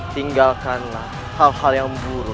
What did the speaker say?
tinggalkanlah hal hal yang buruk